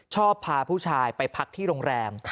พาผู้ชายไปพักที่โรงแรม